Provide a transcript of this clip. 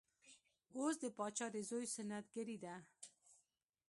اوس د پاچا د زوی سنت ګري ده.